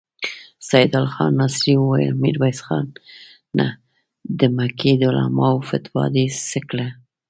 سيدال خان ناصري وويل: ميرويس خانه! د مکې د علماوو فتوا دې څه کړه؟